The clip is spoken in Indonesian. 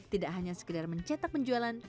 tidak hanya sekedar mencetak penjualan